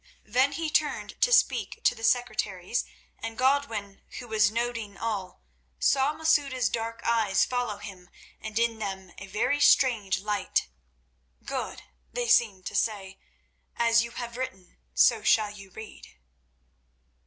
Then he turned to speak to the secretaries, and Godwin, who was noting all, saw Masouda's dark eyes follow him and in them a very strange light. "Good," they seemed to say; "as you have written, so shall you read."